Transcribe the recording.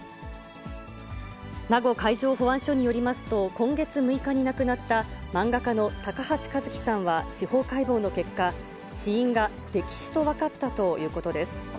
名護海上保安署によりますと、今月６日に亡くなった、漫画家の高橋和希さんは司法解剖の結果、死因が溺死と分かったということです。